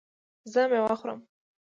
زه میوه خورم